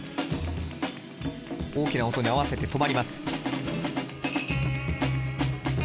大きな音に合わせて止まります。